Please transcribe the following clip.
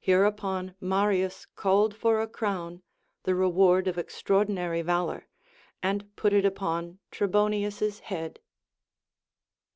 Hereupon Marius called for a crown, the reward of extraordinary valor, and put it upon Trebonius's head.